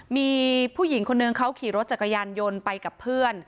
มีผู้หญิงคนนึงเขาขี่รถจักรยานยนต์ไปกับเพื่อน